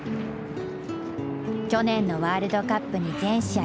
去年のワールドカップに全試合